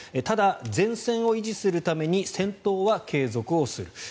ただ、前線を維持するために戦闘は継続する。